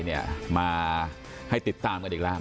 ไหนมาติดตามกันอีกแล้ว